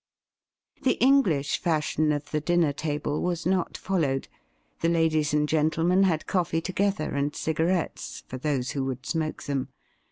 The English fashion of the dinner table was not followed. The ladies and gentlemen had coffee together and cigarettes — for those who would smoke them.